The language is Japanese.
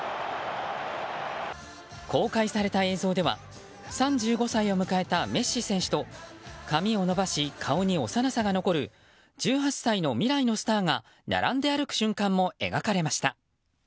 公開された映像では３５歳を迎えたメッシ選手と髪を伸ばし、顔に幼さが残る１８歳の未来のスターが並んで歩く瞬間も描かれました。